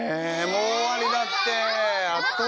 もう終わりだって。